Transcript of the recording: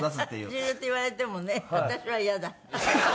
ブラジルって言われてもね私は嫌だ。